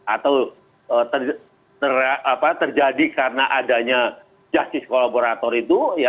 atau terjadi karena adanya justice kolaborator itu